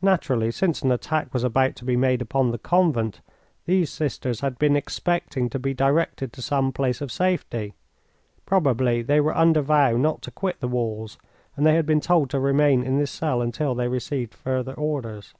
Naturally, since an attack was about to be made upon the convent, these sisters had been expecting to be directed to some place of safety. Probably they were under vow not to quit the walls, and they had been told to remain in this cell until they received further orders.